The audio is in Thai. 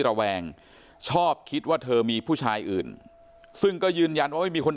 ระแวงชอบคิดว่าเธอมีผู้ชายอื่นซึ่งก็ยืนยันว่าไม่มีคน